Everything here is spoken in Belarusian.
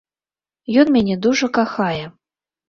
Ён мяне дужа кахае.